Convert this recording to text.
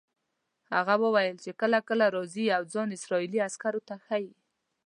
هغه وویل چې کله کله راځي او ځان اسرائیلي عسکرو ته ښیي.